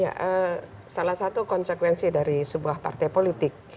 ya salah satu konsekuensi dari sebuah partai politik